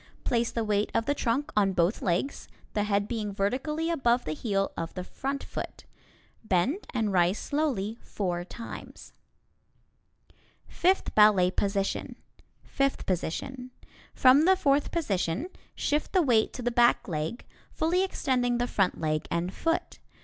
Place the weight of the trunk on both legs, the head being vertically above the heel of the front foot. Bend and rise slowly four times. [Illustration: Fifth Ballet Position] Fifth Position: From the fourth position, shift the weight to the back leg, fully extending the front leg and foot.